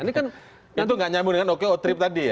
itu nggak nyambung dengan oke otrip tadi ya